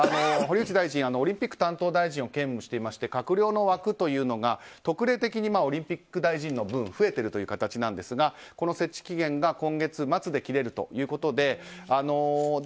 堀内大臣はオリンピック担当大臣を兼務していまして閣僚の枠というのが特例的にオリンピック大臣の分増えているという形なんですがこの設置期限が